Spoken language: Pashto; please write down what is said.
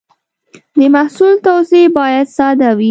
د محصول توضیح باید ساده وي.